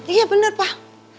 iya bener pak